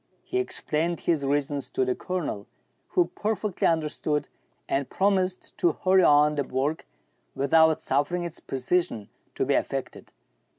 He explained his reasons to the Colonel, who perfectly understood, and promised to hurry on the work, without suffering its pre cision to be affected.